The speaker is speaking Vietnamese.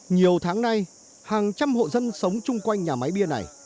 nhiều tháng nay hàng trăm hộ dân sống chung quanh nhà máy bia này